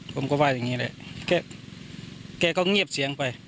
ผมก็ว่าอย่างนี้แหละแกก็เงียบเสียงไป